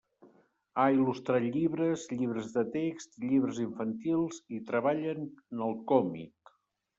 Ha il·lustrat llibres, llibres de text i llibres infantils i treballa en el còmic.